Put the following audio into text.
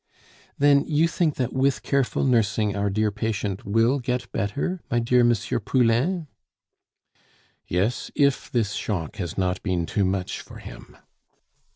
"Then you think that with careful nursing our dear patient will get better, my dear M. Poulain?" "Yes, if this shock has not been too much for him."